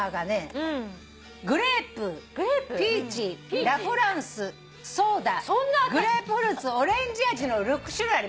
グレープピーチラフランスソーダグレープフルーツオレンジ味の６種類あります。